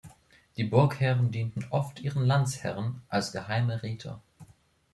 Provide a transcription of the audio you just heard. Die Burgherren dienten oft ihren Landesherren als Geheime Räte.